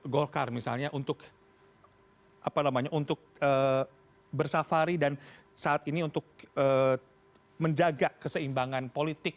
golkar misalnya untuk bersafari dan saat ini untuk menjaga keseimbangan politik